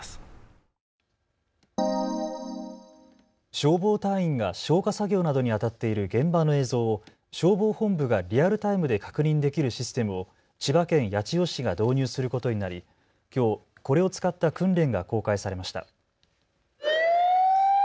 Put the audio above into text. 消防隊員が消火作業などにあたっている現場の映像を消防本部がリアルタイムで確認できるシステムを千葉県八千代市が導入することになり、きょうこれを使った訓練が公開されました。